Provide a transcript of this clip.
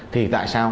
thì tại sao